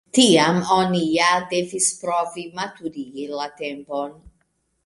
Tiam oni ja devis provi maturigi la tempon.